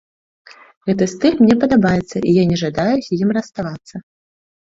Гэты стыль мне падабаецца, і я не жадаю з ім расставацца.